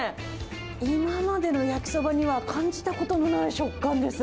今までの焼きそばには感じたことのない食感です。